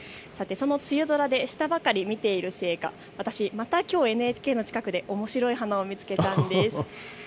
その梅雨空で下ばかり向いているせいか私、またＮＨＫの近くでおもしろい花を見つけました。